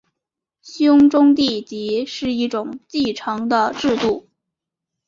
兄终弟及是一种继承的制度。